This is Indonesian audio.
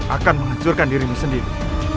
akan menghancurkan dirimu sendiri